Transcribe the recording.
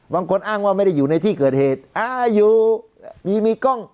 บางคนอ้างว่าไม่ได้อยู่ในที่เกิดเหตุอ่าอยู่มีกล้อง